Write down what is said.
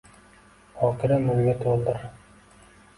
Bokira nurga toʼldir.